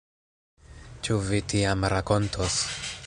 Ĉu vi tiam rakontos?